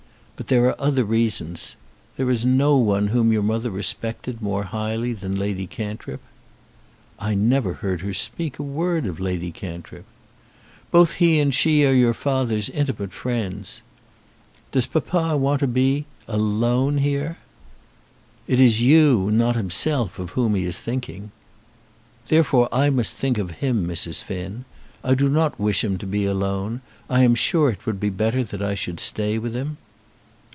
But there are other reasons. There is no one whom your mother respected more highly than Lady Cantrip." "I never heard her speak a word of Lady Cantrip." "Both he and she are your father's intimate friends." "Does papa want to be alone here?" "It is you, not himself, of whom he is thinking." "Therefore I must think of him, Mrs. Finn. I do not wish him to be alone. I am sure it would be better that I should stay with him."